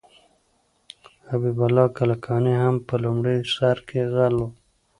حبیب الله کلکاني هم په لومړي سر کې غل و.